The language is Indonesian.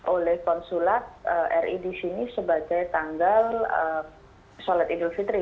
oleh konsulat ri di sini sebagai tanggal sholat idul fitri